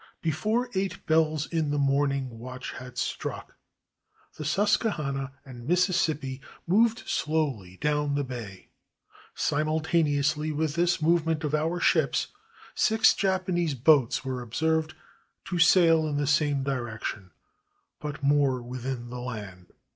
Before eight bells in the morning watch had struck, the Susquehanna and Mississippi moved slowly down the bay. Simultaneously with this movement of our ships, six Japanese boats were observed to sail in the same direction, but more within the land.